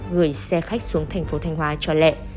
gửi xe khách xuống thành phố thanh hóa cho lệ